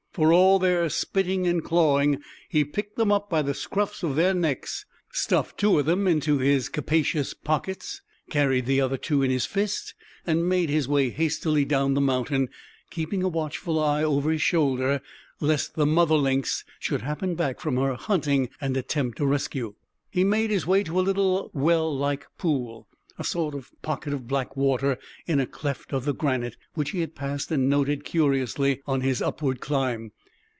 For all their spitting and clawing, he picked them up by the scruffs of their necks, stuffed two of them into his capacious pockets, carried the other two in his fist, and made his way hastily down the mountain, keeping a watchful eye over his shoulder, lest the mother lynx should happen back from her hunting and attempt a rescue. He made his way to a little well like pool, a sort of pocket of black water in a cleft of the granite, which he had passed and noted curiously on his upward climb.